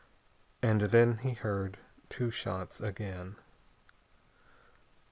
And then he heard two shots again.